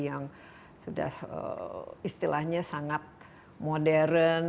yang sudah istilahnya sangat modern